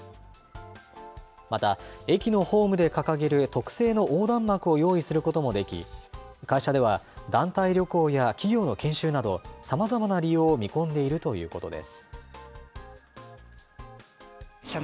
また駅のホームで掲げる特製の横断幕を用意することもでき、会社では団体旅行や企業の研修など、さまざまな利用を見込んでいるということです。